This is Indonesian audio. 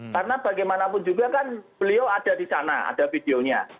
karena bagaimanapun juga kan beliau ada di sana ada videonya